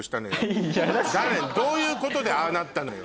どういうことでああなったのよ？